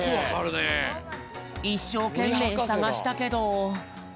いっしょうけんめいさがしたけど。